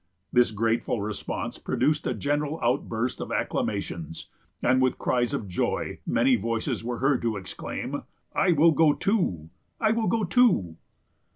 This grateful response produced a general outburst of acclamations; and, with cries of joy, many voices were heard to exclaim, "I will go too! I will go too!"